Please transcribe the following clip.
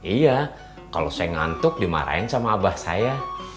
iya kalau saya ngantuk dimarahin sama abah saya